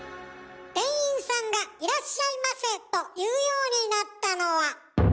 店員さんが「いらっしゃいませ」と言うようになったのは。